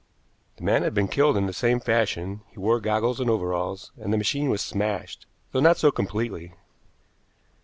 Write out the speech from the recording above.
The man had been killed in the same fashion, he wore goggles and overalls, and the machine was smashed, though not so completely.